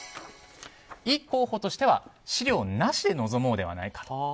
イ候補としては資料なしで臨もうではないかと。